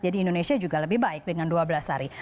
jadi indonesia juga lebih baik dengan dua belas hari